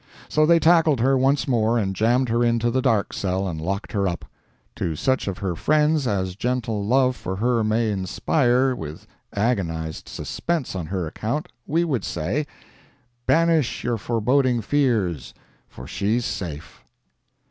So they tackled her once more, and jammed her into the "dark cell," and locked her up. To such of her friends as gentle love for her may inspire with agonized suspense on her account, we would say: Banish your foreboding fears, for she's safe.